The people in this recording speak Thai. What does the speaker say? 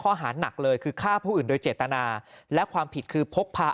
หาหนักเลยคือฆ่าผู้อื่นโดยเจตนาและความผิดคือพกพา